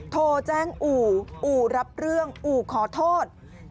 โทรแจ้งอู่อู่รับเรื่องอู่ขอโทษ